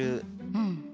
うん。